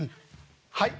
「はい」。